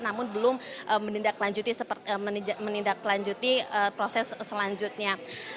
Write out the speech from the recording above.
namun belum menindaklanjuti proses selanjutnya